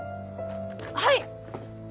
はい！